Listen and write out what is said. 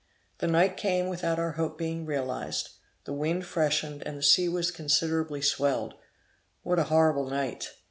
The night came without our hope being realized; the wind freshened, and the sea was considerably swelled. What a horrible night!